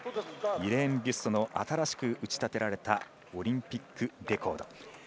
イレーン・ビュストの新しく打ち立てられたオリンピックレコード。